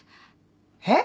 えっ？